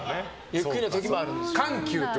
ゆっくりの時もあるんです。